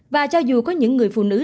và cho dù có những người phụ nữ